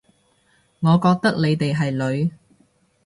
我覺得你哋係女